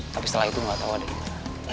tapi setelah itu gak tau ada gimana